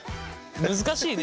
難しいね。